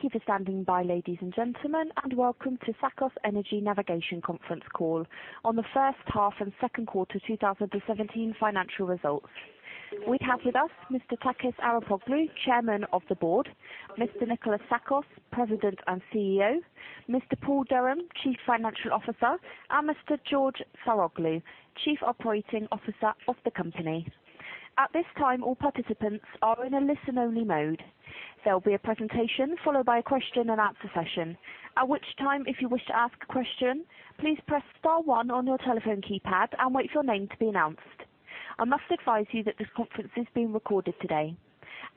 Thank you for standing by, ladies and gentlemen, and welcome to Tsakos Energy Navigation conference call on the first half and second quarter 2017 financial results. We have with us Mr. Efstratios-Georgios Arapoglou, Chairman of the Board, Mr. Nikolas Tsakos, President and CEO, Mr. Paul Durham, Chief Financial Officer, and Mr. George Saroglou, Chief Operating Officer of the company. At this time, all participants are in a listen-only mode. There'll be a presentation followed by a question and answer session. At which time, if you wish to ask a question, please press star one on your telephone keypad and wait for your name to be announced. I must advise you that this conference is being recorded today.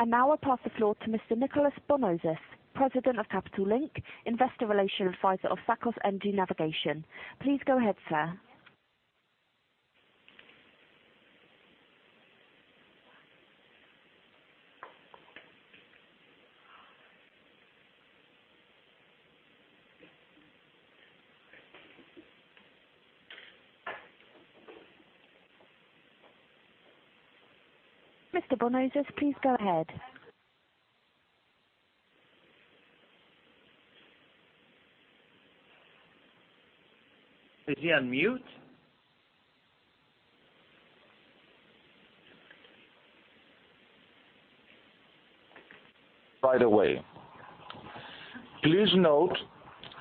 Now I pass the floor to Mr. Nicolas Bornozis, President of Capital Link, investor relations advisor of Tsakos Energy Navigation. Please go ahead, sir. Mr. Bornozis, please go ahead. Is he on mute? Right away. Please note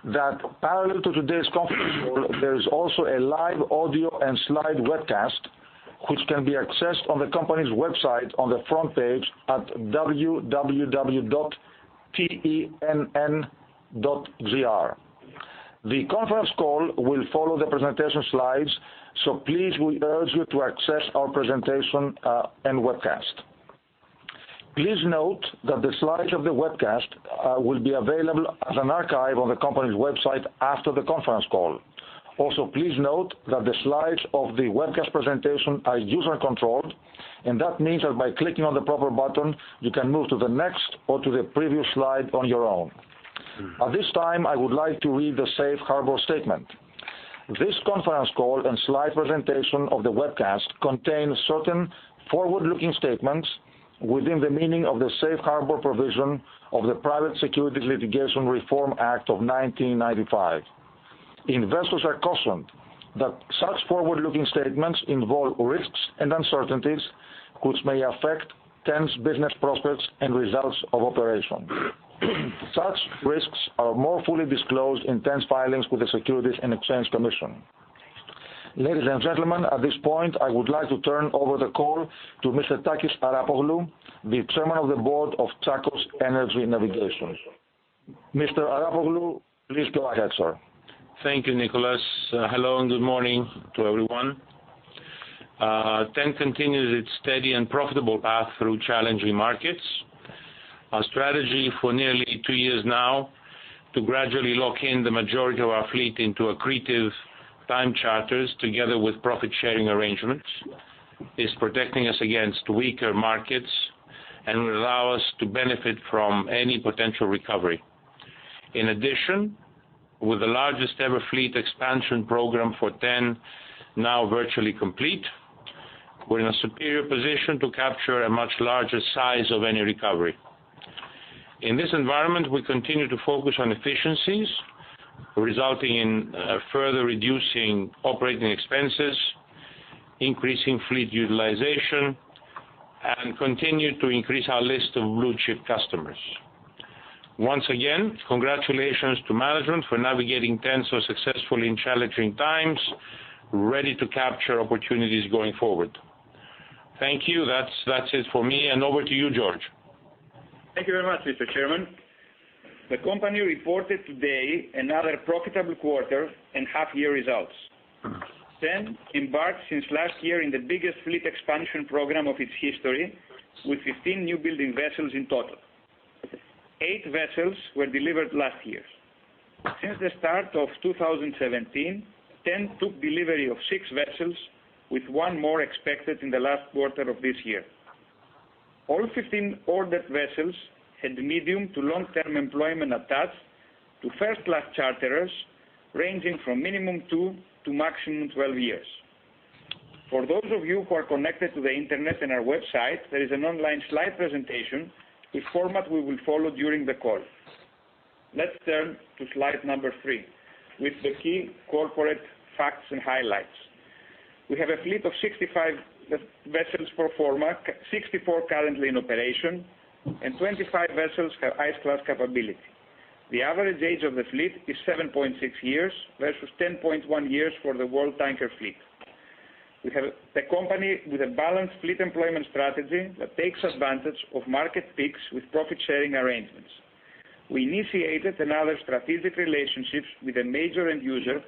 that parallel to today's conference call, there is also a live audio and slide webcast which can be accessed on the company's website on the front page at www.tenn.gr. The conference call will follow the presentation slides, please, we urge you to access our presentation and webcast. Please note that the slides of the webcast will be available as an archive on the company's website after the conference call. Please note that the slides of the webcast presentation are user-controlled, and that means that by clicking on the proper button, you can move to the next or to the previous slide on your own. At this time, I would like to read the safe harbor statement. This conference call and slide presentation of the webcast contain certain forward-looking statements within the meaning of the safe harbor provision of the Private Securities Litigation Reform Act of 1995. Investors are cautioned that such forward-looking statements involve risks and uncertainties which may affect TEN's business prospects and results of operations. Such risks are more fully disclosed in TEN's filings with the Securities and Exchange Commission. Ladies and gentlemen, at this point, I would like to turn over the call to Mr. Efstratios-Georgios Arapoglou, the Chairman of the Board of Tsakos Energy Navigation. Mr. Arapoglou, please go ahead, sir. Thank you, Nicolas. Hello, and good morning to everyone. TEN continues its steady and profitable path through challenging markets. Our strategy for nearly two years now, to gradually lock in the majority of our fleet into accretive time charters together with profit-sharing arrangements, is protecting us against weaker markets and will allow us to benefit from any potential recovery. With the largest ever fleet expansion program for TEN now virtually complete, we're in a superior position to capture a much larger size of any recovery. We continue to focus on efficiencies, resulting in further reducing operating expenses, increasing fleet utilization, and continue to increase our list of blue-chip customers. Once again, congratulations to management for navigating TEN so successfully in challenging times, ready to capture opportunities going forward. Thank you. That's it for me, over to you, George. Thank you very much, Mr. Chairman. The company reported today another profitable quarter and half-year results. TEN embarked since last year in the biggest fleet expansion program of its history with 15 new building vessels in total. Eight vessels were delivered last year. Since the start of 2017, TEN took delivery of six vessels, with one more expected in the last quarter of this year. All 15 ordered vessels had medium to long-term employment attached to first class charterers ranging from minimum two to maximum 12 years. For those of you who are connected to the Internet and our website, there is an online slide presentation, the format we will follow during the call. Let's turn to slide number three with the key corporate facts and highlights. We have a fleet of 65 vessels pro forma, 64 currently in operation, and 25 vessels have ice-class capability. The average age of the fleet is 7.6 years versus 10.1 years for the world tanker fleet. We have the company with a balanced fleet employment strategy that takes advantage of market peaks with profit-sharing arrangements. We initiated another strategic relationships with a major end user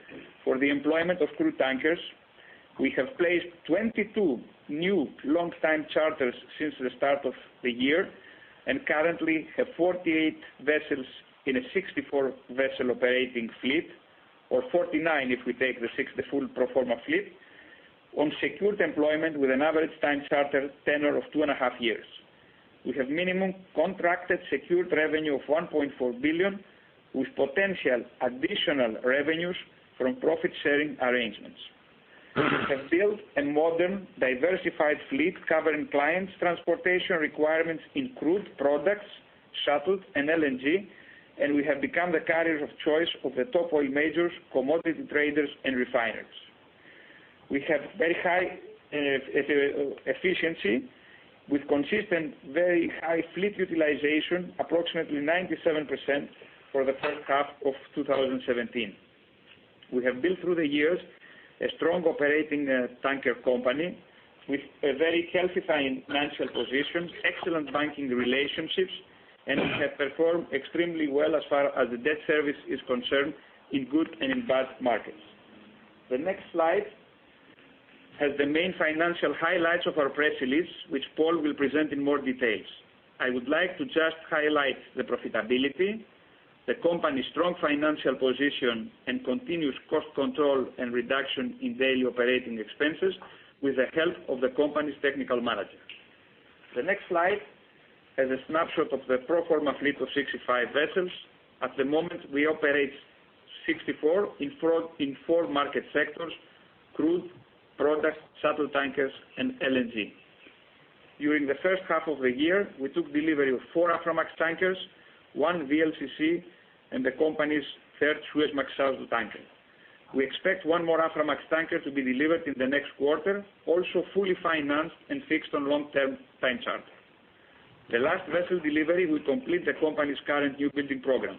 for the employment of crude tankers. We have placed 22 new long-time charters since the start of the year, and currently have 48 vessels in a 64-vessel operating fleet, or 49 if we take the 60 full pro forma fleet, on secured employment with an average time charter tenor of two and a half years. We have minimum contracted secured revenue of $1.4 billion, with potential additional revenues from profit sharing arrangements. We have built a modern, diversified fleet covering clients' transportation requirements in crude products, shuttle, and LNG, and we have become the carrier of choice of the top oil majors, commodity traders, and refiners. We have very high efficiency with consistent, very high fleet utilization, approximately 97% for the first half of 2017. We have built, through the years, a strong operating tanker company with a very healthy financial position, excellent banking relationships, and we have performed extremely well as far as the debt service is concerned in good and in bad markets. The next slide has the main financial highlights of our press release, which Paul will present in more details. I would like to just highlight the profitability, the company's strong financial position, and continuous cost control and reduction in daily operating expenses with the help of the company's technical managers. The next slide has a snapshot of the pro forma fleet of 65 vessels. At the moment, we operate 64 in four market sectors: crude, products, shuttle tankers, and LNG. During the first half of the year, we took delivery of four Aframax tankers, one VLCC, and the company's third Suezmax tanker. We expect one more Aframax tanker to be delivered in the next quarter, also fully financed and fixed on long-term time charter. The last vessel delivery will complete the company's current new building program.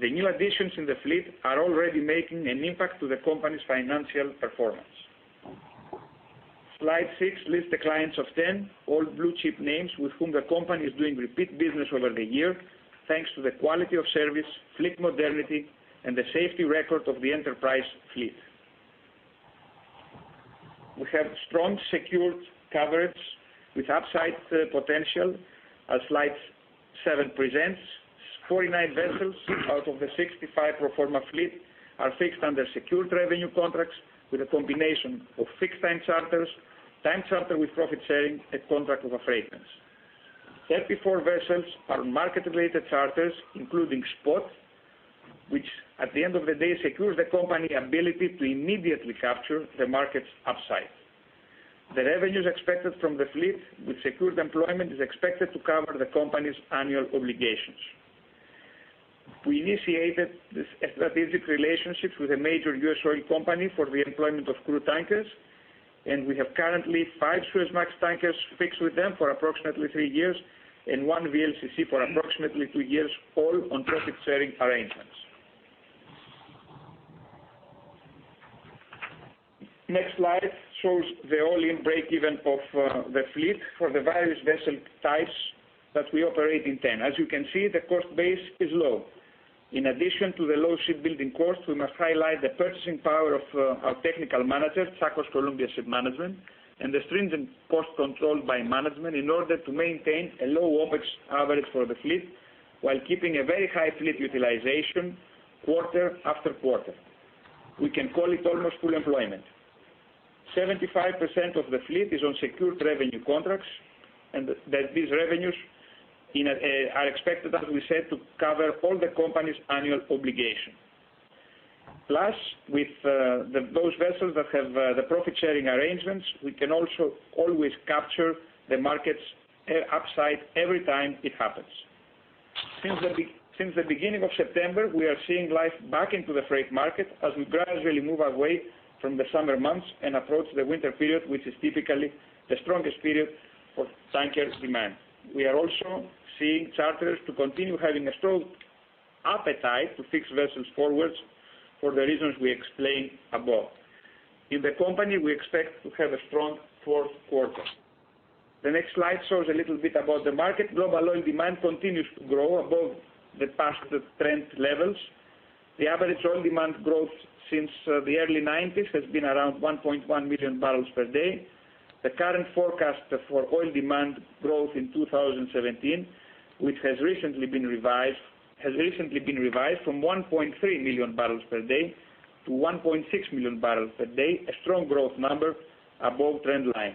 The new additions in the fleet are already making an impact to the company's financial performance. Slide six lists the clients of TEN, all blue-chip names with whom the company is doing repeat business over the year, thanks to the quality of service, fleet modernity, and the safety record of the Enterprise fleet. We have strong secured coverage with upside potential, as slide seven presents. 49 vessels out of the 65 pro forma fleet are fixed under secured revenue contracts with a combination of fixed-time charters, time charter with profit sharing, and contract of affreightment. 34 vessels are market-related charters, including spot, which at the end of the day secures the company ability to immediately capture the market's upside. The revenues expected from the fleet with secured employment is expected to cover the company's annual obligations. We initiated this strategic relationship with a major U.S. oil company for the employment of crude tankers, and we have currently five Suezmax tankers fixed with them for approximately three years and one VLCC for approximately two years, all on profit-sharing arrangements. Next slide shows the all-in break-even of the fleet for the various vessel types that we operate in TEN. As you can see, the cost base is low. In addition to the low shipbuilding cost, we must highlight the purchasing power of our technical manager, Tsakos Columbia Shipmanagement, and the stringent cost control by management in order to maintain a low OpEx average for the fleet while keeping a very high fleet utilization quarter after quarter. We can call it almost full employment. 75% of the fleet is on secured revenue contracts, and these revenues are expected, as we said, to cover all the company's annual obligations. Plus, with those vessels that have the profit-sharing arrangements, we can also always capture the market's upside every time it happens. Since the beginning of September, we are seeing life back into the freight market as we gradually move away from the summer months and approach the winter period, which is typically the strongest period for tanker demand. We are also seeing charters to continue having a strong appetite to fix vessels forwards for the reasons we explained above. In the company, we expect to have a strong fourth quarter. The next slide shows a little bit about the market. Global oil demand continues to grow above the past trend levels. The average oil demand growth since the early 1990s has been around 1.1 million barrels per day. The current forecast for oil demand growth in 2017, which has recently been revised from 1.3 million barrels per day to 1.6 million barrels per day, a strong growth number above trend line.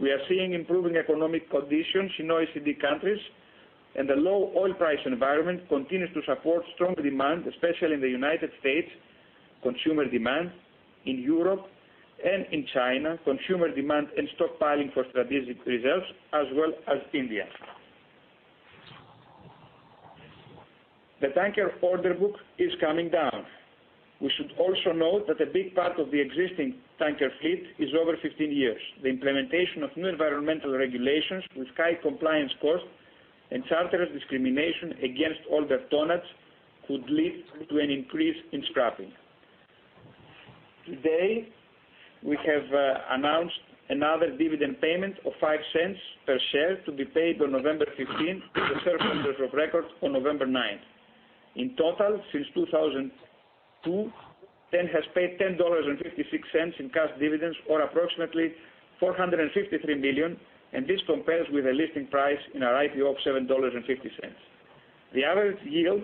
We are seeing improving economic conditions in OECD countries, and the low oil price environment continues to support strong demand, especially in the U.S., consumer demand in Europe and in China, consumer demand and stockpiling for strategic reserves, as well as India. The tanker order book is coming down. We should also note that a big part of the existing tanker fleet is over 15 years. The implementation of new environmental regulations with high compliance costs and charterers' discrimination against older tonnages could lead to an increase in scrapping. Today, we have announced another dividend payment of $0.05 per share to be paid on November 15 with the first holders of record on November 9. In total, since 2002, TEN has paid $10.56 in cash dividends or approximately $453 million, and this compares with a listing price in our IPO of $7.50. The average yield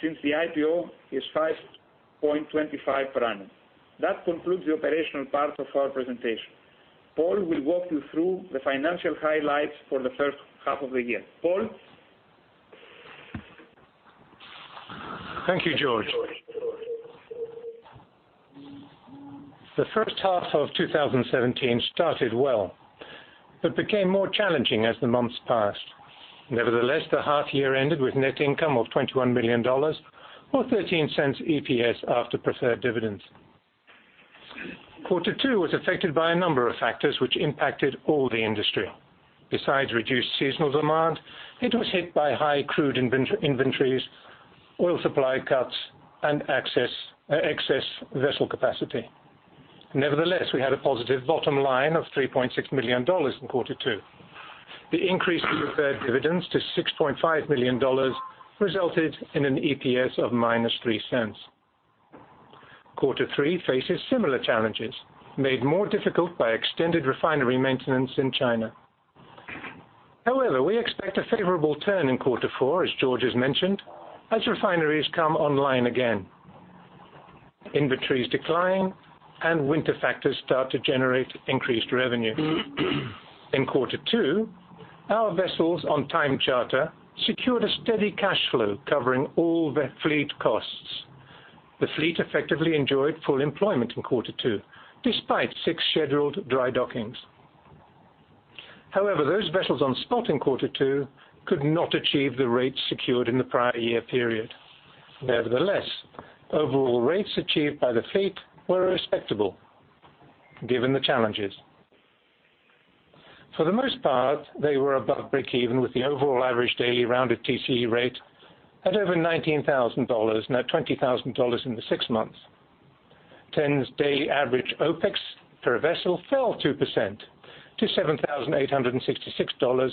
since the IPO is 5.25% per annum. That concludes the operational part of our presentation. Paul will walk you through the financial highlights for the first half of the year. Paul? Thank you, George. The first half of 2017 started well but became more challenging as the months passed. Nevertheless, the half year ended with net income of $21 million or $0.13 EPS after preferred dividends. Quarter two was affected by a number of factors which impacted all the industry. Besides reduced seasonal demand, it was hit by high crude inventories, oil supply cuts, and excess vessel capacity. Nevertheless, we had a positive bottom line of $3.6 million in quarter two. The increase in preferred dividends to $6.5 million resulted in an EPS of -$0.03. Quarter three faces similar challenges, made more difficult by extended refinery maintenance in China. We expect a favorable turn in quarter four, as George has mentioned, as refineries come online again, inventories decline, and winter factors start to generate increased revenue. In quarter two, our vessels on time charter secured a steady cash flow covering all the fleet costs. The fleet effectively enjoyed full employment in quarter two, despite six scheduled dry dockings. Those vessels on spot in quarter two could not achieve the rates secured in the prior year period. Nevertheless, overall rates achieved by the fleet were respectable given the challenges. For the most part, they were above breakeven, with the overall average daily rounded TCE rate at over $19,000, now $20,000 in the six months. TEN's daily average OPEX per vessel fell 2% to $7,866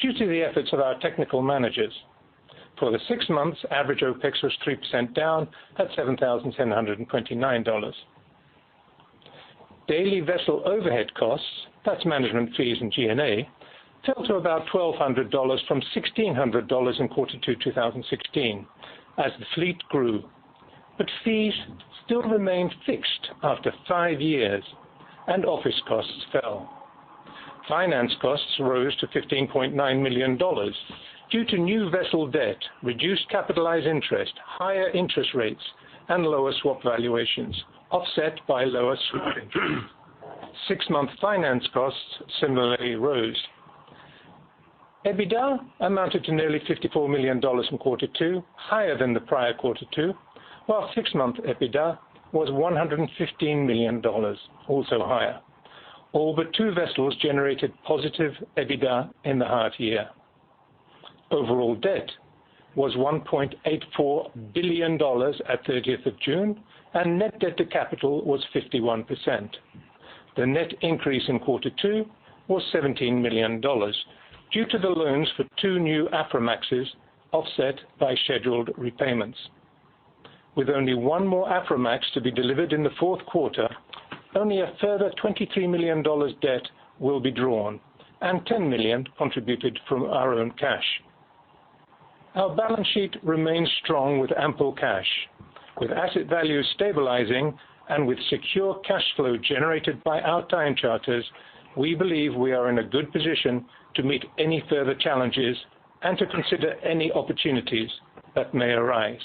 due to the efforts of our technical managers. For the six months, average OPEX was 3% down at $7,729. Daily vessel overhead costs, that's management fees and G&A, fell to about $1,200 from $1,600 in quarter two 2016 as the fleet grew, but fees still remained fixed after five years and office costs fell. Finance costs rose to $15.9 million due to new vessel debt, reduced capitalized interest, higher interest rates, and lower swap valuations offset by lower swap income. Six-month finance costs similarly rose. EBITDA amounted to nearly $54 million in quarter two, higher than the prior quarter two, while six-month EBITDA was $115 million, also higher. All but two vessels generated positive EBITDA in the half year. Overall debt was $1.84 billion at 30th of June, and net debt to capital was 51%. The net increase in quarter two was $17 million due to the loans for two new Aframaxes offset by scheduled repayments. With only one more Aframax to be delivered in the fourth quarter, only a further $23 million debt will be drawn and $10 million contributed from our own cash. Our balance sheet remains strong with ample cash. With asset values stabilizing and with secure cash flow generated by our time charters, we believe we are in a good position to meet any further challenges and to consider any opportunities that may arise.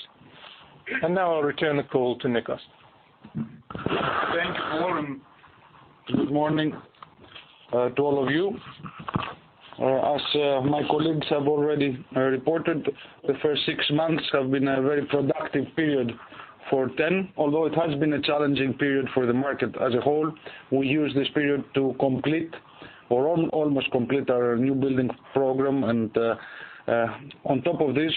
Now I'll return the call to Nikos. Thank you, Paul, and good morning to all of you. As my colleagues have already reported, the first six months have been a very productive period for TEN, although it has been a challenging period for the market as a whole. We used this period to complete or almost complete our new building program. On top of this,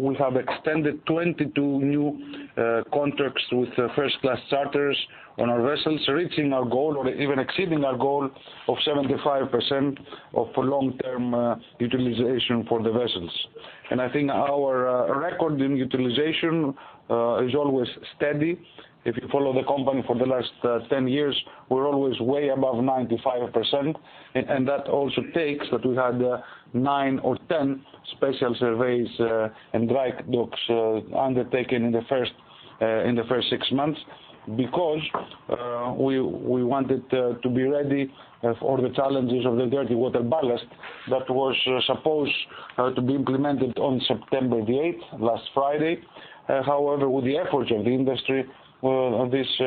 we have extended 22 new contracts with first class charters on our vessels, reaching our goal or even exceeding our goal of 75% of long-term utilization for the vessels. I think our record in utilization is always steady. If you follow the company for the last 10 years, we are always way above 95%. That also takes that we had nine or 10 special surveys and dry docks undertaken in the first six months because we wanted to be ready for the challenges of the dirty water ballast that was supposed to be implemented on September the 8th, last Friday. However, with the efforts of the industry, this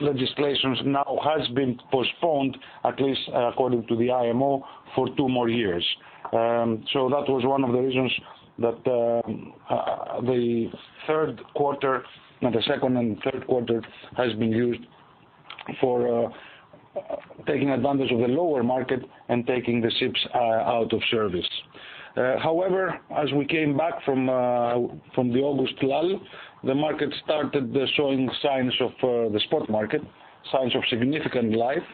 legislation now has been postponed, at least according to the IMO, for two more years. That was one of the reasons that the second and third quarter has been used for taking advantage of the lower market and taking the ships out of service. However, as we came back from the August lull, the market started showing signs of the spot market, signs of significant life.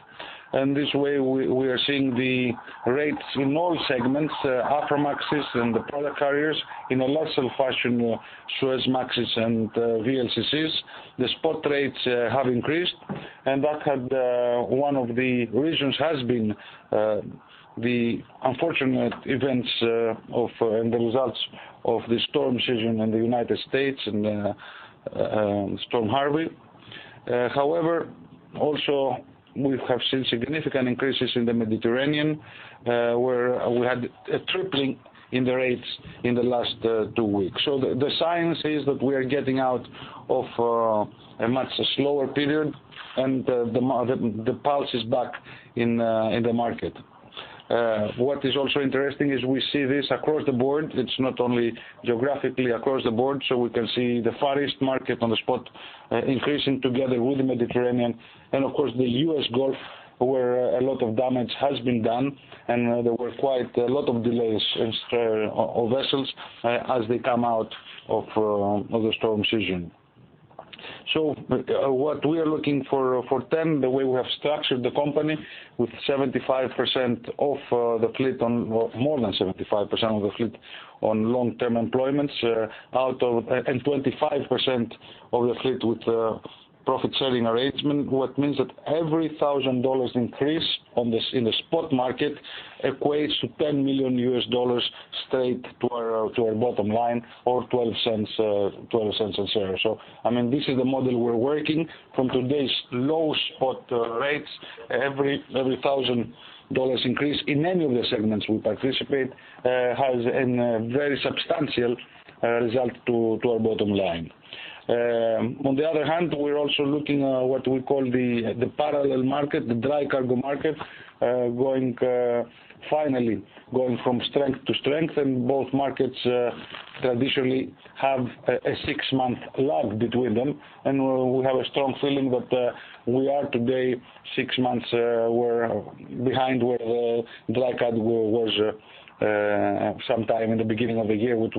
This way, we are seeing the rates in all segments, Aframaxes and the product carriers, in a lesser fashion, Suezmaxes and VLCCs. The spot rates have increased. One of the reasons has been the unfortunate events and the results of the storm season in the U.S. and Storm Harvey. However, also we have seen significant increases in the Mediterranean, where we had a tripling in the rates in the last two weeks. The science is that we are getting out of a much slower period and the pulse is back in the market. What is also interesting is we see this across the board. It is not only geographically across the board, so we can see the Far East market on the spot increasing together with the Mediterranean. Of course, the U.S. Gulf, where a lot of damage has been done, and there were quite a lot of delays of vessels as they come out of the storm season. What we are looking for then, the way we have structured the company with 75% of the fleet on, more than 75% of the fleet on long-term employments, and 25% of the fleet with profit-sharing arrangement. What means that every $1,000 increase in the spot market equates to $10 million straight to our bottom line or $0.12. This is the model we are working from today's low spot rates. Every $1,000 increase in any of the segments we participate has a very substantial result to our bottom line. On the other hand, we are also looking what we call the parallel market, the dry cargo market, finally going from strength to strength. Both markets traditionally have a six-month lag between them, and we have a strong feeling that we are today six months behind where the dry cargo was sometime in the beginning of the year, which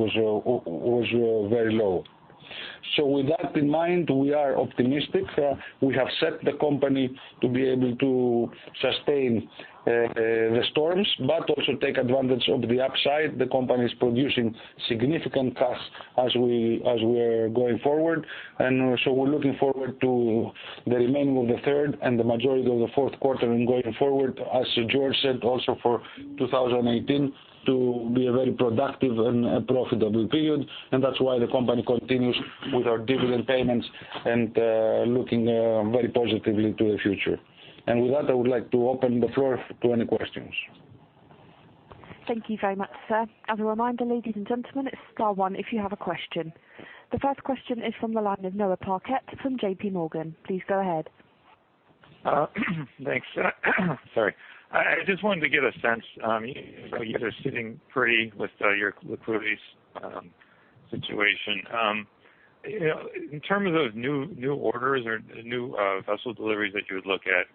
was very low. With that in mind, we are optimistic. We have set the company to be able to sustain the storms, but also take advantage of the upside. The company is producing significant cash as we are going forward. We're looking forward to the remaining of the third and the majority of the fourth quarter, and going forward, as George said, also for 2018 to be a very productive and profitable period. That's why the company continues with our dividend payments and looking very positively to the future. With that, I would like to open the floor to any questions. Thank you very much, sir. As a reminder, ladies and gentlemen, it's star 1 if you have a question. The first question is from the line of Noah Parquett from JPMorgan. Please go ahead. Thanks. Sorry. I just wanted to get a sense, you guys are sitting pretty with your liquidity situation. In terms of new orders or new vessel deliveries that you would look at,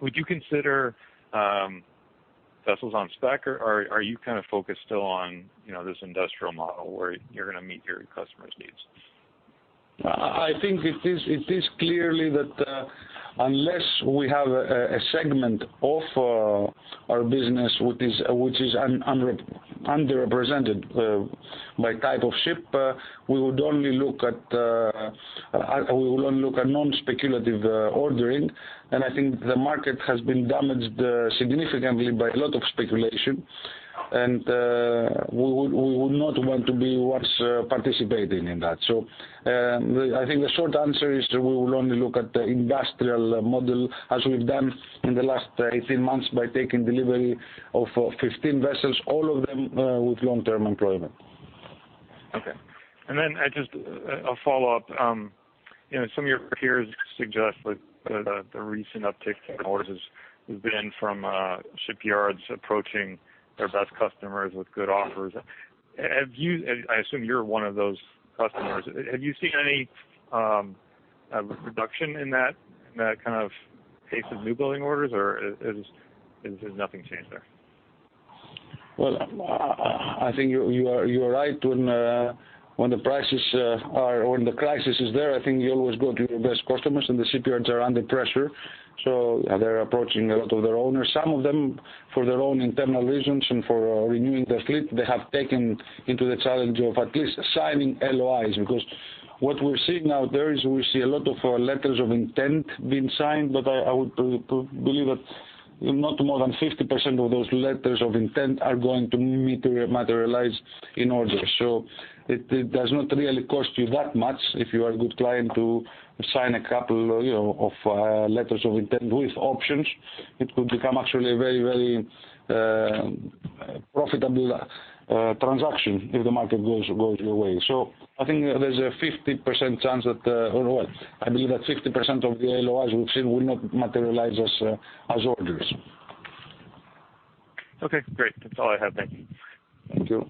would you consider vessels on spec, or are you focused still on this industrial model where you're going to meet your customers' needs? I think it is clear that unless we have a segment of our business which is underrepresented by type of ship, we would only look at non-speculative ordering. I think the market has been damaged significantly by a lot of speculation, and we would not want to be participating in that. I think the short answer is we will only look at the industrial model as we've done in the last 18 months by taking delivery of 15 vessels, all of them with long-term employment. Okay. Just a follow-up. Some of your peers suggest that the recent uptick in orders has been from shipyards approaching their best customers with good offers. I assume you're one of those customers. Have you seen any reduction in that kind of pace of new building orders, or has nothing changed there? Well, I think you are right when the crisis is there, I think you always go to your best customers, and the shipyards are under pressure. They're approaching a lot of their owners. Some of them, for their own internal reasons and for renewing their fleet, they have taken the challenge of at least signing LOIs. What we're seeing out there is we see a lot of letters of intent being signed, but I would believe that not more than 50% of those letters of intent are going to materialize in orders. It does not really cost you that much if you are a good client to sign a couple of letters of intent with options. It could become actually a very profitable transaction if the market goes your way. I believe that 50% of the LOIs we've seen will not materialize as orders. Okay, great. That's all I have. Thank you. Thank you.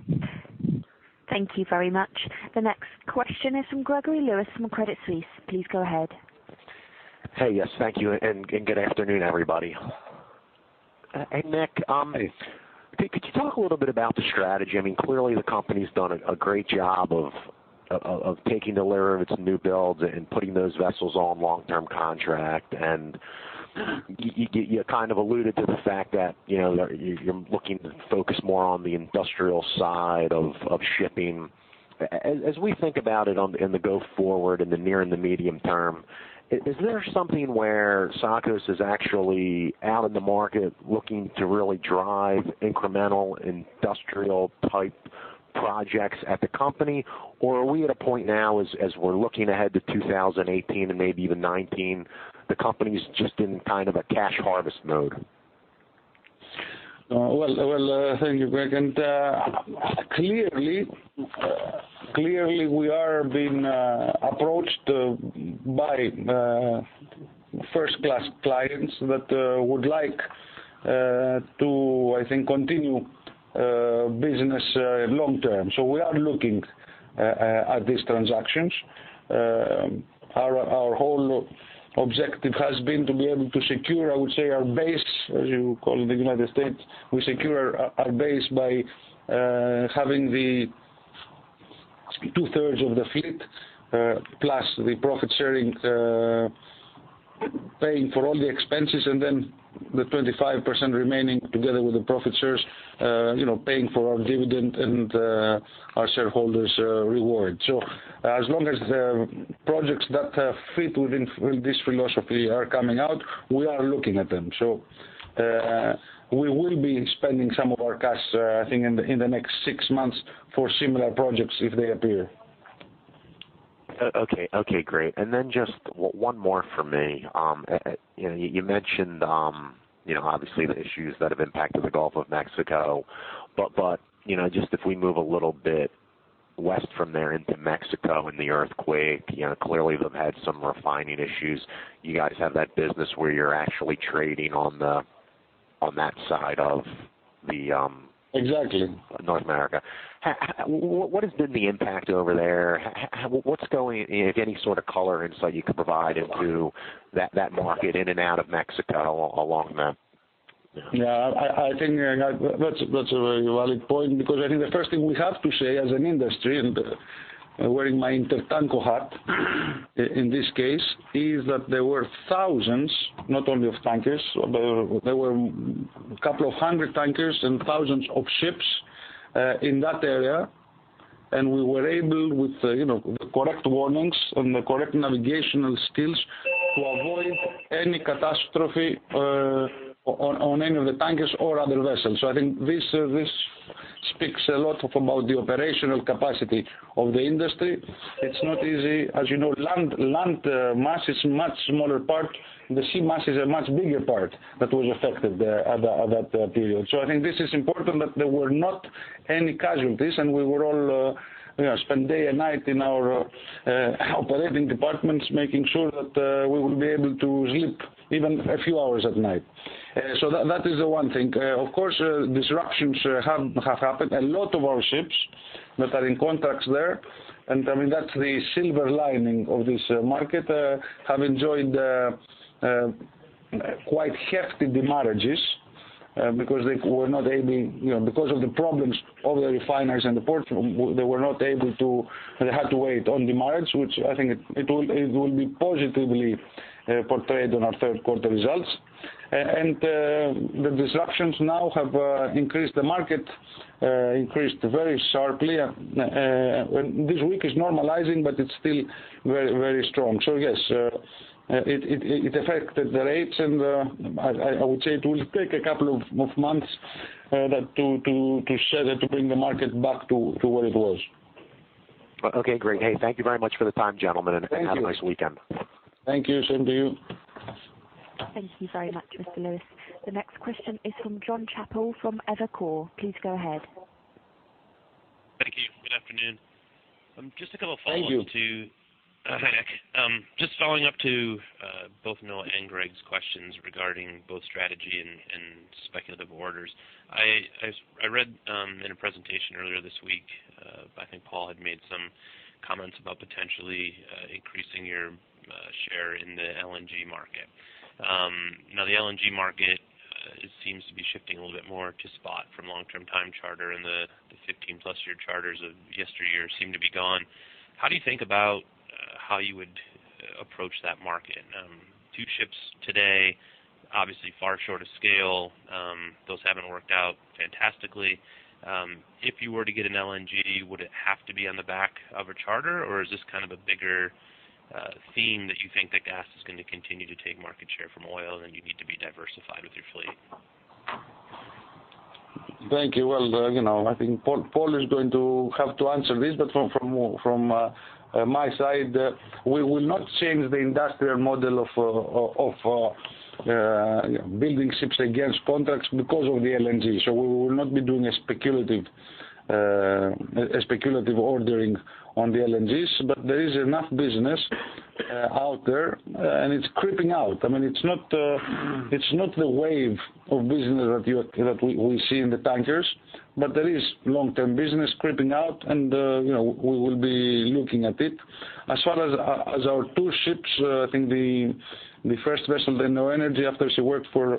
Thank you very much. The next question is from Gregory Lewis from Credit Suisse. Please go ahead. Hey. Yes, thank you, and good afternoon, everybody. Hey, Nik, could you talk a little bit about the strategy? Clearly the company's done a great job of taking delivery of its new builds and putting those vessels on long-term contract. You alluded to the fact that you're looking to focus more on the industrial side of shipping. As we think about it in the go forward, in the near and the medium term, is there something where Tsakos is actually out in the market looking to really drive incremental industrial type projects at the company? Are we at a point now, as we're looking ahead to 2018 and maybe even 2019, the company's just in a cash harvest mode? Well, thank you, Greg. Clearly, we are being approached by first-class clients that would like to, I think, continue business long term. We are looking at these transactions. Our whole objective has been to be able to secure, I would say, our base, as you call it in the United States. We secure our base by having the two-thirds of the fleet plus the profit-sharing, paying for all the expenses, and then the 25% remaining together with the profit shares paying for our dividend and our shareholders' reward. As long as the projects that fit within this philosophy are coming out, we are looking at them. We will be spending some of our cash, I think, in the next six months for similar projects, if they appear. Just one more from me. You mentioned, obviously the issues that have impacted the Gulf of Mexico. Just if we move a little bit west from there into Mexico and the earthquake, clearly they've had some refining issues. You guys have that business where you're actually trading on that side of the- Exactly North America. What has been the impact over there? If any sort of color insight you could provide into that market in and out of Mexico along that? I think that's a very valid point because I think the first thing we have to say as an industry, and wearing my INTERTANKO hat in this case, is that there were thousands, not only of tankers, there were a couple of hundred tankers and thousands of ships in that area, and we were able, with the correct warnings and the correct navigational skills to avoid any catastrophe on any of the tankers or other vessels. I think this speaks a lot about the operational capacity of the industry. It's not easy. As you know, land mass is much smaller part. The sea mass is a much bigger part that was affected there at that period. I think this is important that there were not any casualties, and we all spent day and night in our operating departments making sure that we would be able to sleep even a few hours at night. That is the one thing. Of course, disruptions have happened. A lot of our ships that are in contracts there, and that's the silver lining of this market, have enjoyed quite hefty demurrages because of the problems of the refiners and the port, they had to wait on demurrage, which I think it will be positively portrayed on our third quarter results. The disruptions now have increased the market, increased very sharply. This week is normalizing, but it's still very strong. Yes, it affected the rates, and I would say it will take a couple of months to bring the market back to where it was. Okay, great. Thank you very much for the time, gentlemen. Thank you. Have a nice weekend. Thank you. Same to you. Thank you very much, Mr. Lewis. The next question is from Jon Chappell from Evercore. Please go ahead. Thank you. Good afternoon. Just a couple follow-ups. Thank you Just following up to both Noah and Greg's questions regarding both strategy and speculative orders. I read in a presentation earlier this week, I think Paul had made some comments about potentially increasing your share in the LNG market. Now, the LNG market seems to be shifting a little bit more to spot from long-term time charter, and the 15-plus year charters of yesteryear seem to be gone. How do you think about how you would approach that market? two ships today, obviously far short of scale. Those haven't worked out fantastically. If you were to get an LNG, would it have to be on the back of a charter, or is this a bigger theme that you think that gas is going to continue to take market share from oil and you need to be diversified with your fleet? Thank you. I think Paul is going to have to answer this. From my side, we will not change the industrial model of building ships against contracts because of the LNG. We will not be doing a speculative ordering on the LNGs. There is enough business out there, and it's creeping out. It's not the wave of business that we see in the tankers. There is long-term business creeping out, and we will be looking at it. As far as our two ships, I think the first vessel, the Neo Energy, after she worked for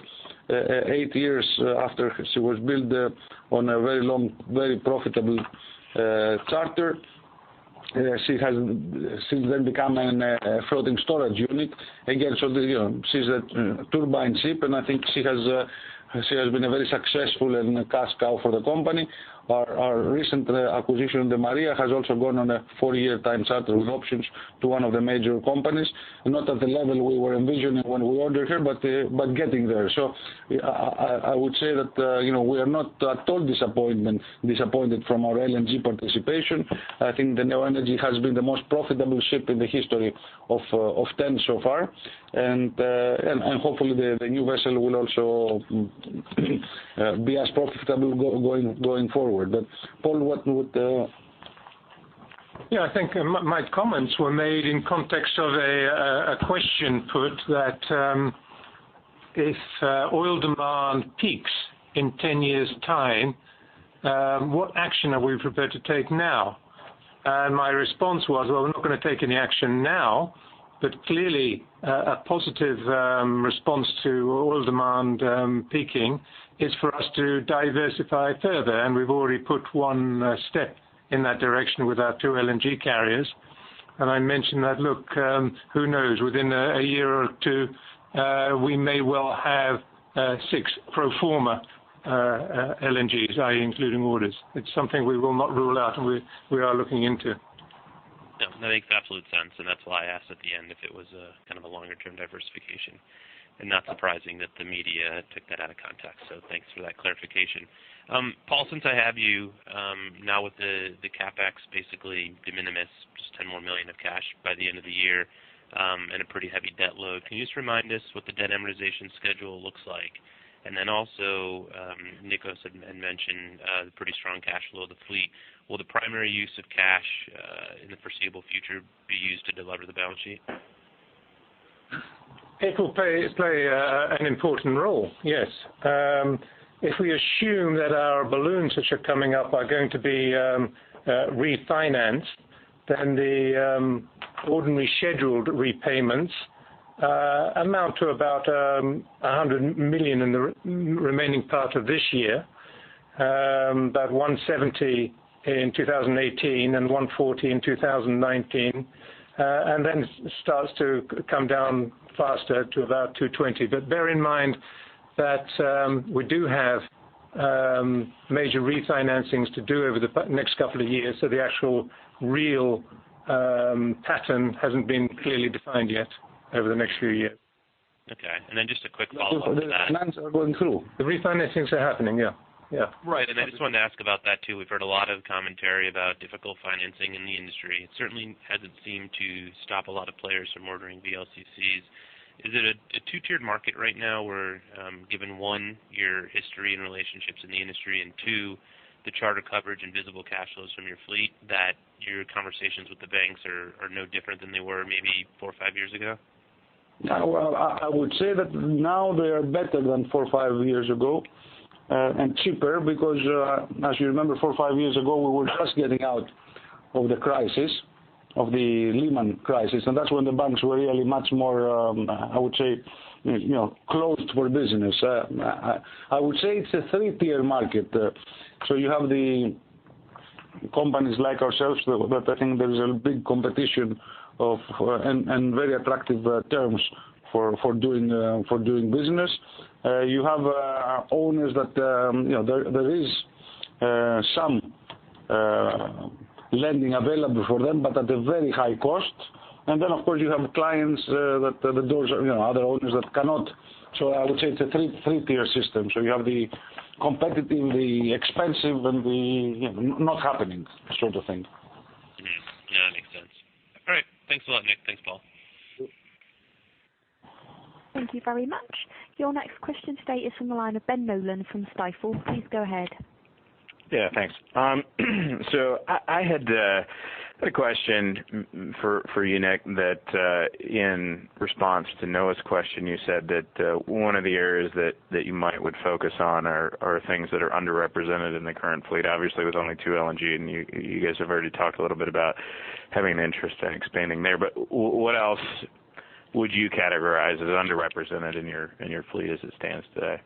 eight years after she was built on a very long, very profitable charter. She has since then become a floating storage unit. Again, she's a turbine ship, and I think she has been a very successful and a cash cow for the company. Our recent acquisition, the Maria, has also gone on a four-year time charter with options to one of the major companies. Not at the level we were envisioning when we ordered her, but getting there. I would say that we are not at all disappointed from our LNG participation. I think the Neo Energy has been the most profitable ship in the history of TEN so far. Hopefully, the new vessel will also be as profitable going forward. Paul, what would I think my comments were made in context of a question put that if oil demand peaks in 10 years' time, what action are we prepared to take now? My response was, we're not going to take any action now, but clearly, a positive response to oil demand peaking is for us to diversify further. We've already put one step in that direction with our two LNG carriers. I mentioned that, look who knows, within a year or two, we may well have six pro forma LNGs, i.e., including orders. It's something we will not rule out, and we are looking into. That makes absolute sense. That's why I asked at the end if it was a longer-term diversification. Not surprising that the media took that out of context. Thanks for that clarification. Paul, since I have you, now with the CapEx basically de minimis, just $10 million more of cash by the end of the year, and a pretty heavy debt load, can you just remind us what the debt amortization schedule looks like? Then also, Nikos had mentioned the pretty strong cash flow of the fleet. Will the primary use of cash in the foreseeable future be used to delever the balance sheet? It will play an important role, yes. If we assume that our balloons, which are coming up, are going to be refinanced, then the ordinary scheduled repayments amount to about $100 million in the remaining part of this year, about $170 in 2018, and $140 in 2019. Then it starts to come down faster to about $220. Bear in mind that we do have major refinancings to do over the next couple of years, so the actual real pattern hasn't been clearly defined yet over the next few years. Okay. Just a quick follow-up to that. The plans are going through. The refinancings are happening, yeah. Right. I just wanted to ask about that, too. We've heard a lot of commentary about difficult financing in the industry. It certainly hasn't seemed to stop a lot of players from ordering VLCCs. Is it a two-tiered market right now where, given, one, your history and relationships in the industry, and two, the charter coverage and visible cash flows from your fleet, that your conversations with the banks are no different than they were maybe four or five years ago? Well, I would say that now they are better than four or five years ago, and cheaper because as you remember, four or five years ago, we were just getting out of the crisis, of the Lehman crisis. That's when the banks were really much more, I would say, closed for business. I would say it's a 3-tier market. You have the companies like ourselves that I think there is a big competition and very attractive terms for doing business. You have owners that there is some lending available for them, but at a very high cost. Then, of course, you have clients that the doors are, other owners that cannot. I would say it's a 3-tier system. You have the competitive, the expensive, and the not happening sort of thing. Yeah, that makes sense. All right. Thanks a lot, Nik. Thanks, Paul. Thank you very much. Your next question today is from the line of Ben Nolan from Stifel. Please go ahead. Yeah, thanks. I had a question for you, Nik, that in response to Noah's question, you said that one of the areas that you might would focus on are things that are underrepresented in the current fleet. Obviously, there's only two LNG, and you guys have already talked a little bit about having an interest in expanding there. What else would you categorize as underrepresented in your fleet as it stands today?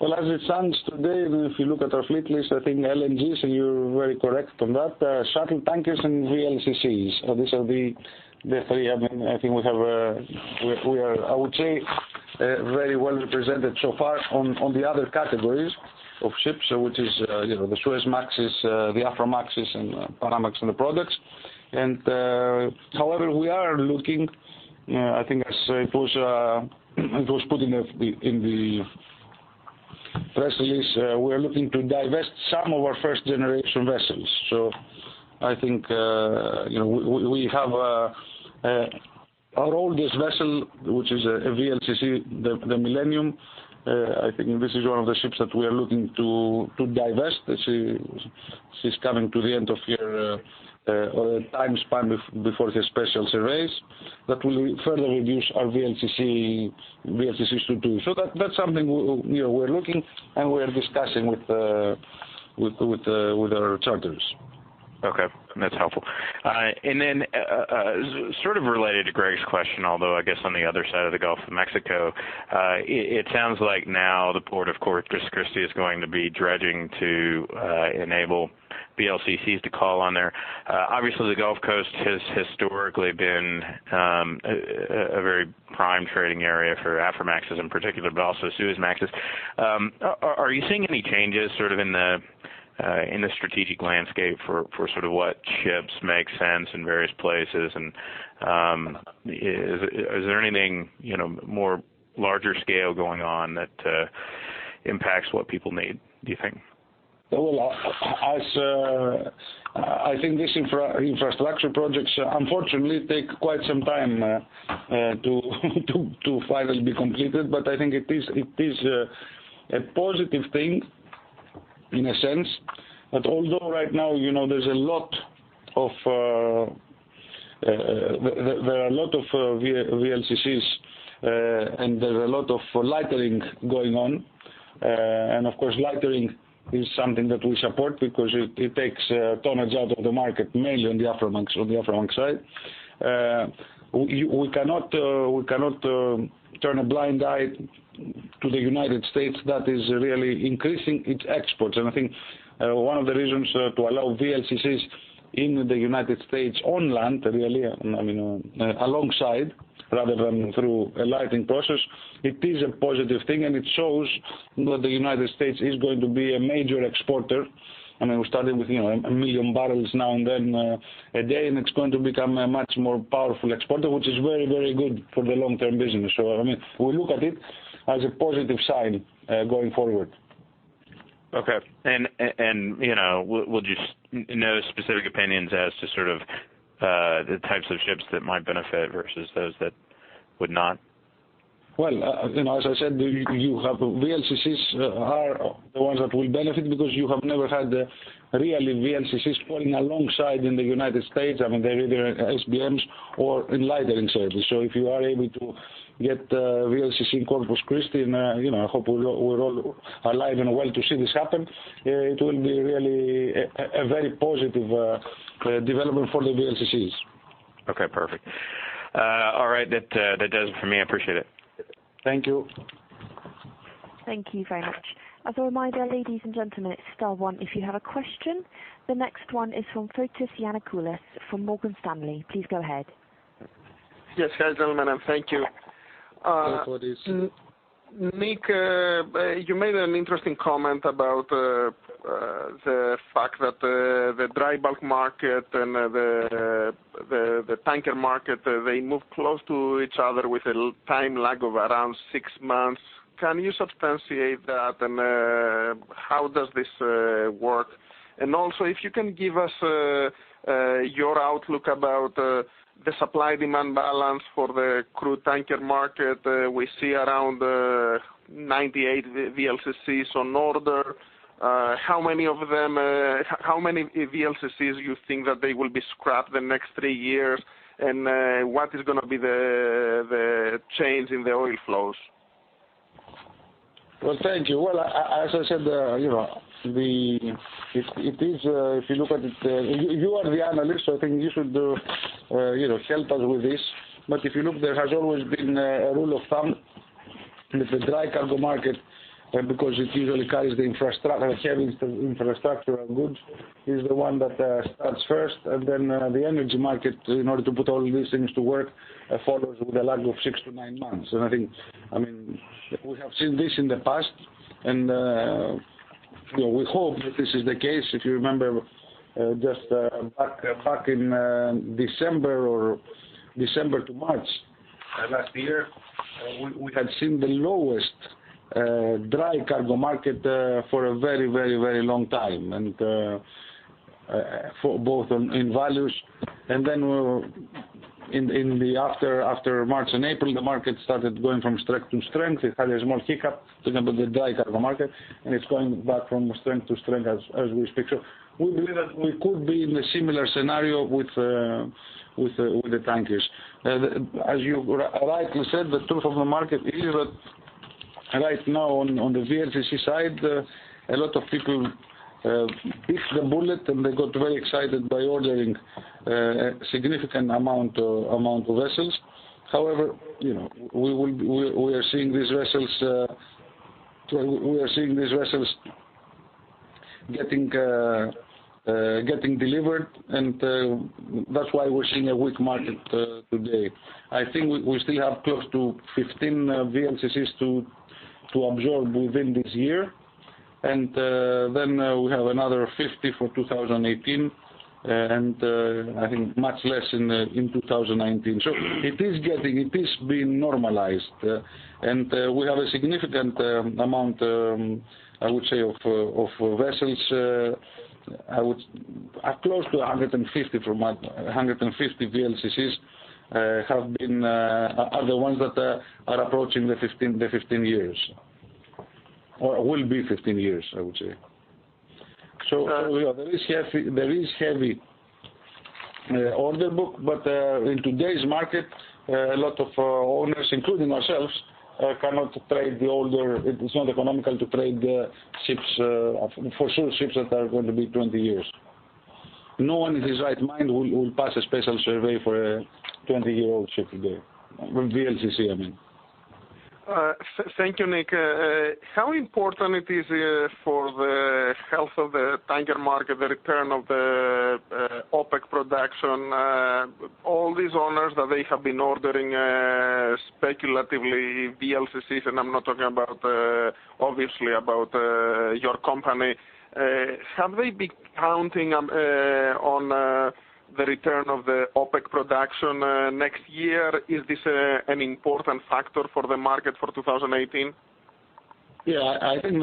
Well, as it stands today, if you look at our fleet list, I think LNGs, and you're very correct on that, shuttle tankers and VLCCs. These are the three. I think we are, I would say, very well represented so far on the other categories of ships, which is the Suezmaxes, the Aframaxes, and the Panamax and the products. However, we are looking, I think as it was put in the press release, we are looking to divest some of our first generation vessels. I think our oldest vessel, which is a VLCC, the Millennium, I think this is one of the ships that we are looking to divest. She's coming to the end of her time span before her special surveys. That will further reduce our VLCCs to two. That's something we're looking and we're discussing with our charters. Okay, that's helpful. Then, sort of related to Greg's question, although I guess on the other side of the Gulf of Mexico, it sounds like now the port of Corpus Christi is going to be dredging to enable VLCCs to call on there. Obviously, the Gulf Coast has historically been a very prime trading area for Aframaxes in particular, but also Suezmaxes. Are you seeing any changes in the strategic landscape for what ships make sense in various places? Is there anything larger scale going on that impacts what people need, do you think? Well, I think these infrastructure projects unfortunately take quite some time to finally be completed. I think it is a positive thing in a sense. Although right now there are a lot of VLCCs and there are a lot of lightering going on. Of course, lightering is something that we support because it takes tonnage out of the market, mainly on the Aframax side. We cannot turn a blind eye to the United States that is really increasing its exports. I think one of the reasons to allow VLCCs in the United States on land really, alongside rather than through a lightering process, it is a positive thing and it shows that the United States is going to be a major exporter. I mean, we started with 1 million barrels now and then a day, and it's going to become a much more powerful exporter, which is very good for the long-term business. We look at it as a positive sign going forward. Okay. We'll just no specific opinions as to sort of the types of ships that might benefit versus those that would not? Well, as I said, VLCCs are the ones that will benefit because you have never had really VLCCs calling alongside in the U.S. I mean, they're either SBMs or in lightering services. If you are able to get VLCC in Corpus Christi, and I hope we're all alive and well to see this happen, it will be really a very positive development for the VLCCs. Okay, perfect. All right, that does it for me. I appreciate it. Thank you. Thank you very much. As a reminder, ladies and gentlemen, it's star one if you have a question. The next one is from Fotis Giannakoulis from Morgan Stanley. Please go ahead. Yes. Hi, gentlemen, and thank you. Yes, Fotis. Nick, you made an interesting comment about the fact that the dry bulk market and the tanker market, they move close to each other with a time lag of around six months. Can you substantiate that? How does this work? Also, if you can give us your outlook about the supply-demand balance for the crude tanker market. We see around 98 VLCCs on order. How many VLCCs you think that they will be scrapped the next three years? What is going to be the change in the oil flows? Well, thank you. As I said, you are the analyst, I think you should help us with this. If you look, there has always been a rule of thumb that the dry cargo market, because it usually carries the heavy infrastructure and goods, is the one that starts first, then the energy market, in order to put all these things to work, follows with a lag of six to nine months. I think we have seen this in the past, and we hope that this is the case. If you remember, just back in December to March last year, we had seen the lowest dry cargo market for a very long time, both in values. After March and April, the market started going from strength to strength. It had a small hiccup. Remember the dry cargo market, it's going back from strength to strength as we speak. We believe that we could be in a similar scenario with the tankers. As you rightly said, the truth of the market is that right now on the VLCC side, a lot of people bit the bullet, and they got very excited by ordering a significant amount of vessels. However, we are seeing these vessels getting delivered, and that's why we're seeing a weak market today. I think we still have close to 15 VLCCs to absorb within this year. We have another 50 for 2018, and I think much less in 2019. It is being normalized. We have a significant amount, I would say, of vessels, close to 150 VLCCs are the ones that are approaching the 15 years or will be 15 years, I would say. There is heavy order book. In today's market, a lot of owners, including ourselves, cannot trade the ships, for sure ships that are going to be 20 years. No one in his right mind will pass a special survey for a 20-year-old ship today, VLCC I mean. Thank you, Nik. How important it is for the health of the tanker market, the return of the OPEC production? All these owners that they have been ordering speculatively VLCCs, I'm not talking obviously about your company. Have they been counting on the return of the OPEC production next year? Is this an important factor for the market for 2018? I think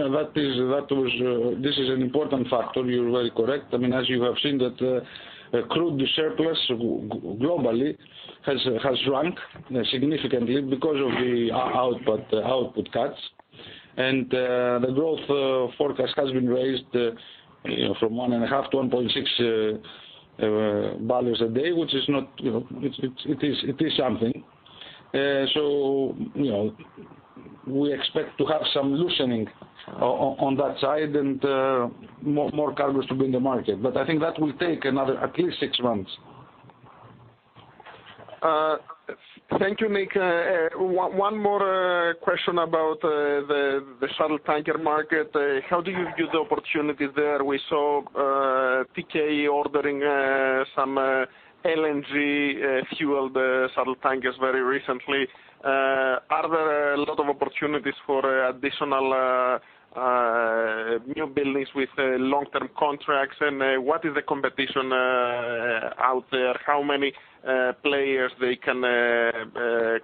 this is an important factor. You are very correct. As you have seen that crude surplus globally has shrunk significantly because of the output cuts, the growth forecast has been raised from 1.5 to 1.6 barrels a day which is something. We expect to have some loosening on that side and more cargos to be in the market. I think that will take another at least six months. Thank you, Nik. One more question about the shuttle tanker market. How do you view the opportunity there? We saw TK ordering some LNG fueled shuttle tankers very recently. Are there a lot of opportunities for additional new buildings with long-term contracts? What is the competition out there? How many players they can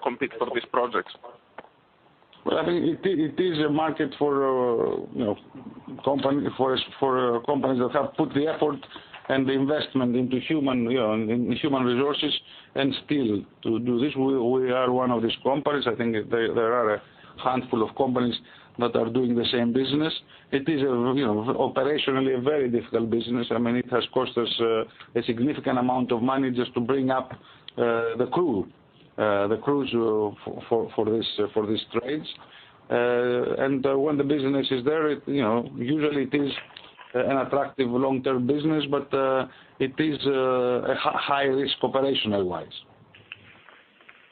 compete for these projects? Well, I think it is a market for companies that have put the effort and the investment into human resources and still to do this. We are one of these companies. I think there are a handful of companies that are doing the same business. It is operationally a very difficult business. It has cost us a significant amount of money just to bring up the crew for these trades. When the business is there, usually it is an attractive long-term business, but it is high risk operational wise.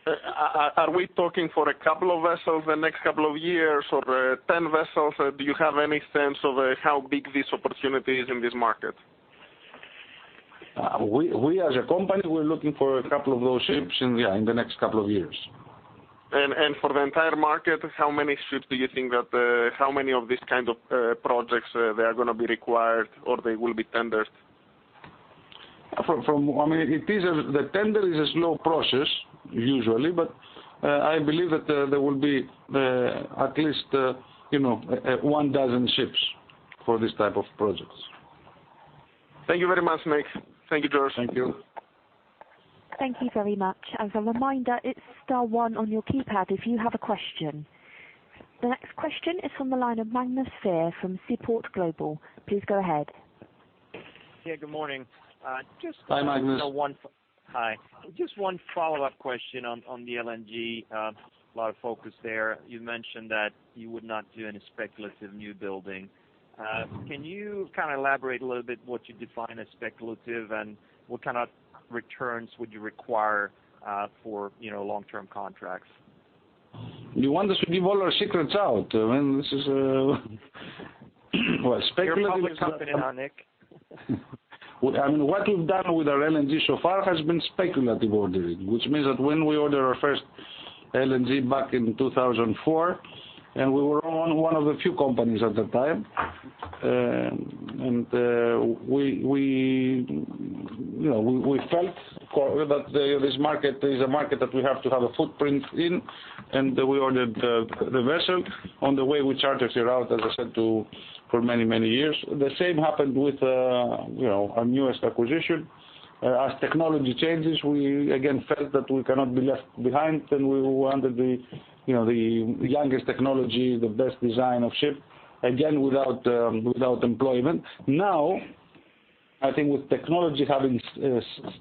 Are we talking for a couple of vessels the next couple of years or 10 vessels? Do you have any sense of how big this opportunity is in this market? We as a company, we're looking for a couple of those ships in, yeah, in the next couple of years. For the entire market, how many of this kind of projects they are going to be required, or they will be tendered? The tender is a slow process usually, I believe that there will be at least one dozen ships for this type of projects. Thank you very much, Nik. Thank you, George. Thank you. Thank you very much. As a reminder, it's star one on your keypad if you have a question. The next question is from the line of Magnus Fyhr from Seaport Global. Please go ahead. Yeah, good morning. Hi, Magnus. Hi. Just one follow-up question on the LNG. A lot of focus there. You mentioned that you would not do any speculative new building. Can you elaborate a little bit what you define as speculative, and what kind of returns would you require for long-term contracts? You want us to give all our secrets out? Well, speculative Your company is opening up, Nik. What we've done with our LNG so far has been speculative ordering. Means that when we order our first LNG back in 2004, and we were one of the few companies at the time. We felt that this market is a market that we have to have a footprint in, and we ordered the vessel. On the way, we chartered it out, as I said, for many years. The same happened with our newest acquisition. As technology changes, we again felt that we cannot be left behind, and we wanted the youngest technology, the best design of ship, again, without employment. I think with technology having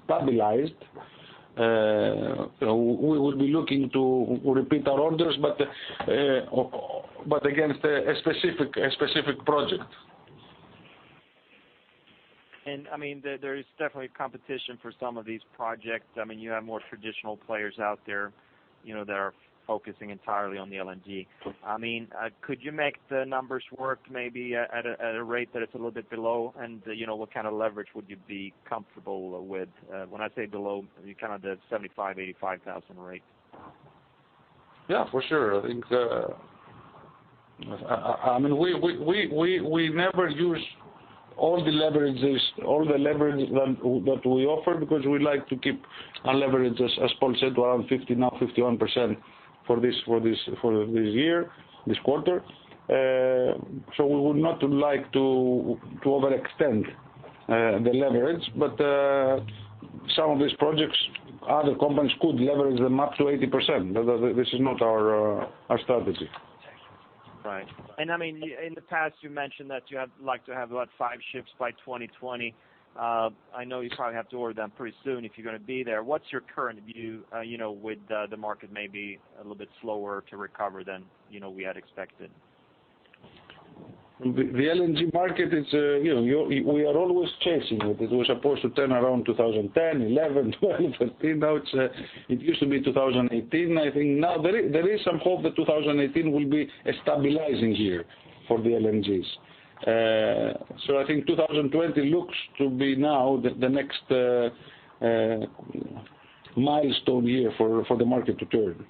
stabilized, we will be looking to repeat our orders, but against a specific project. There is definitely competition for some of these projects. You have more traditional players out there that are focusing entirely on the LNG. Could you make the numbers work maybe at a rate that is a little bit below, and what kind of leverage would you be comfortable with? When I say below, the $75,000, $85,000 rate. Yeah, for sure. We never use all the leverage that we offer because we like to keep our leverage, as Paul said, to around 50, now 51% for this year, this quarter. We would not like to overextend the leverage, but some of these projects, other companies could leverage them up to 80%. This is not our strategy. Right. In the past, you mentioned that you have five ships by 2020. I know you probably have to order them pretty soon if you're going to be there. What's your current view with the market maybe a little bit slower to recover than we had expected? The LNG market, we are always chasing it. It was supposed to turn around 2010, 2011, 2012, 2013. It used to be 2018. I think now there is some hope that 2018 will be a stabilizing year for the LNGs. I think 2020 looks to be now the next milestone year for the market to turn.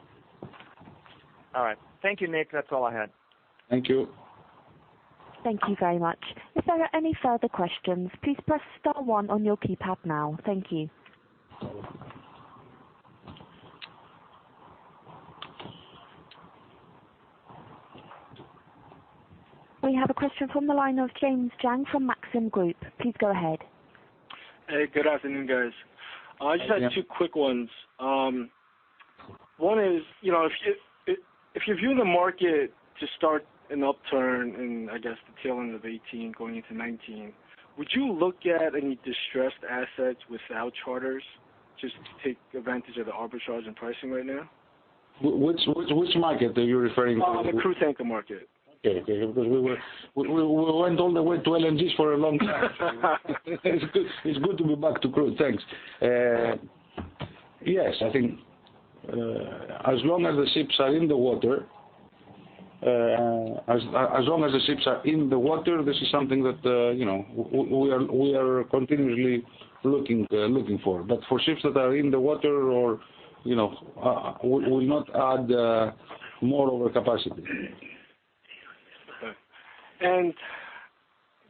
All right. Thank you, Nik. That is all I had. Thank you. Thank you very much. If there are any further questions, please press star one on your keypad now. Thank you. We have a question from the line of James Jang from Maxim Group. Please go ahead. Hey, good afternoon, guys. Hey. I just had two quick ones. One is, if you view the market to start an upturn in, I guess, the tail end of 2018 going into 2019, would you look at any distressed assets without charters just to take advantage of the arbitrage in pricing right now? Which market are you referring to? The crude tanker market. Okay. Because we went all the way to LNGs for a long time. It's good to be back to crude. Thanks. Yes, I think as long as the ships are in the water, this is something that we are continually looking for. For ships that are in the water or we'll not add more overcapacity. Okay.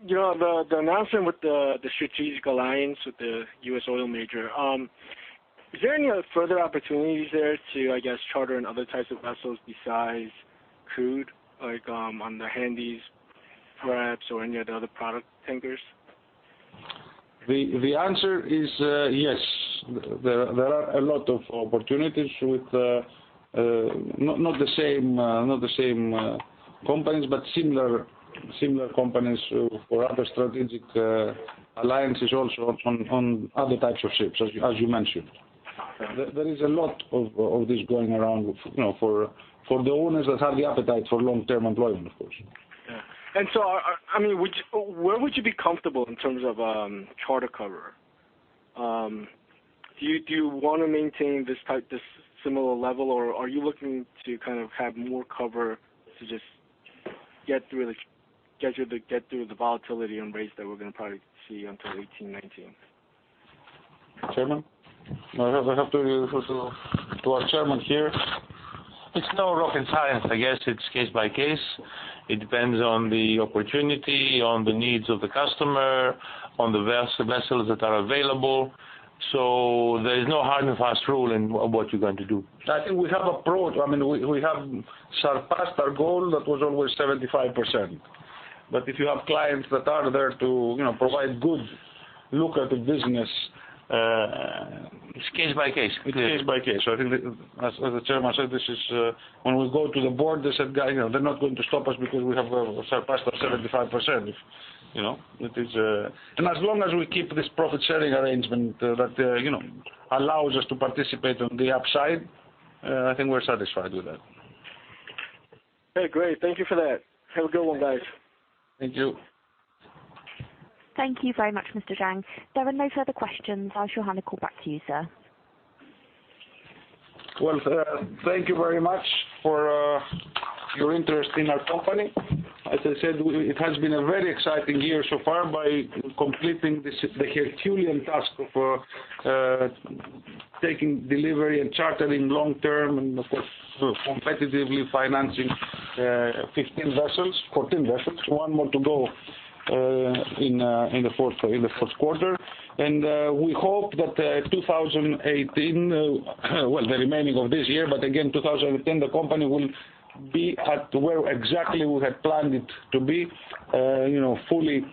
The announcement with the strategic alliance with the U.S. oil major, is there any further opportunities there to, I guess, charter in other types of vessels besides crude? Like on the Handysize perhaps or any of the other product tankers? The answer is yes. There are a lot of opportunities with not the same companies, but similar companies for other strategic alliances also on other types of ships as you mentioned. There is a lot of this going around for the owners that have the appetite for long-term employment, of course. Yeah. Where would you be comfortable in terms of charter cover? Do you want to maintain this similar level or are you looking to have more cover to just get through the volatility and rates that we're going to probably see until 2018, 2019? Chairman? I have to refer to our Chairman here. It's no rocket science. I guess it's case by case. It depends on the opportunity, on the needs of the customer, on the vessels that are available. There's no hard and fast rule in what you're going to do. I think we have approached, we have surpassed our goal that was always 75%. If you have clients that are there to provide good lucrative business. It's case by case. It's case by case. I think as the Chairman said, when we go to the board, they said they're not going to stop us because we have surpassed our 75%. As long as we keep this profit-sharing arrangement that allows us to participate on the upside, I think we're satisfied with that. Okay, great. Thank you for that. Have a good one, guys. Thank you. Thank you very much, Mr. Jang. There are no further questions. I shall hand the call back to you, sir. Well, thank you very much for your interest in our company. As I said, it has been a very exciting year so far by completing the Herculean task of taking delivery and chartering long-term and, of course, competitively financing 15 vessels, 14 vessels, one more to go in the first quarter. We hope that 2018, well, the remaining of this year, but again, 2018, the company will be at where exactly we had planned it to be. Fully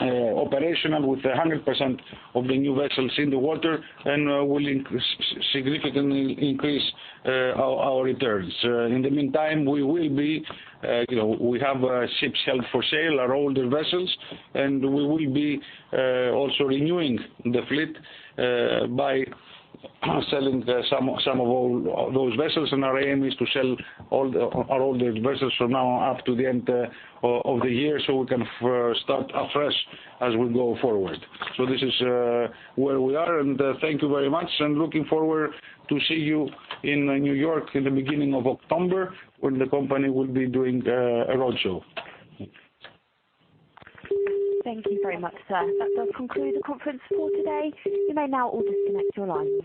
operational with 100% of the new vessels in the water and will significantly increase our returns. In the meantime, we have ships held for sale, our older vessels, and we will be also renewing the fleet by selling some of those vessels, and our aim is to sell all our older vessels from now up to the end of the year so we can start afresh as we go forward. This is where we are, and thank you very much and looking forward to see you in New York in the beginning of October when the company will be doing a roadshow. Thank you very much, sir. That does conclude the conference call today. You may now all disconnect your lines.